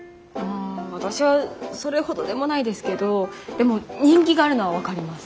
私はそれほどでもないですけどでも人気があるのは分かります。